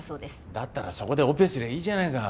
だったらそこでオペすりゃいいじゃないか。